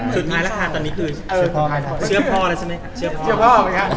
คือง่ายแล้วค่ะตอนนี้คือเชื่อพ่อแล้วใช่ไหม